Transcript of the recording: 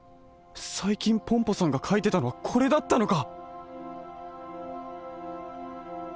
さいきんポンポさんがかいてたのはこれだったのか！